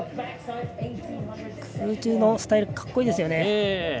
空中のスタイルかっこいいですよね。